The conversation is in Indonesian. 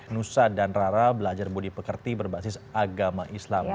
nusa dan rara belajar budi pekerti berbasis agama islam